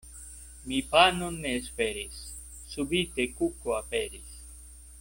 Mi panon ne esperis, subite kuko aperis.